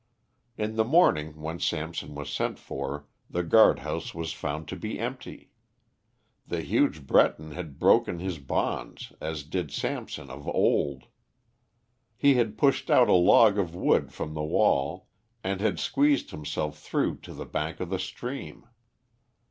In the morning, when Samson was sent for, the guard house was found to be empty. The huge Breton had broken his bonds as did Samson of old. He had pushed out a log of wood from the wall, and had squeezed himself through to the bank of the stream.